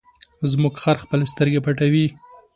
زموږ خر خپلې سترګې پټوي.